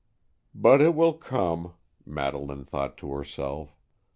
"But it will come," Madeleine thought to herself.